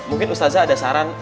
mungkin ustazah ada saran